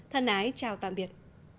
thân ái chào tạm biệt